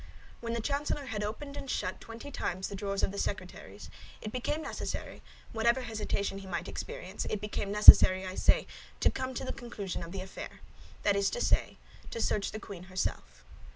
When the chancellor had opened and shut twenty times the drawers of the secretaries, it became necessary, whatever hesitation he might experience—it became necessary, I say, to come to the conclusion of the affair; that is to say, to search the queen herself.